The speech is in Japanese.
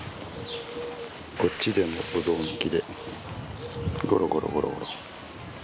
こっちでもブドウの木でゴロゴロゴロゴロ。